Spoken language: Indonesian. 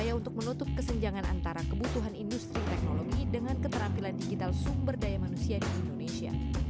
dan menutupi kesenjangan antara kebutuhan industri teknologi dengan keterampilan digital sumber daya manusia di indonesia